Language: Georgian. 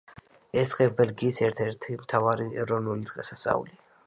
ეს დღე ბელგიის ერთ-ერთი მთავარი ეროვნული დღესასწაულია.